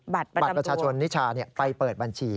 บัตรประชาชนนิชาไปเปิดบัญชี